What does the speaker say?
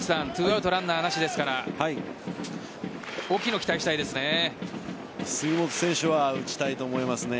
２アウトランナーなしですから大きいのを期待したいですね。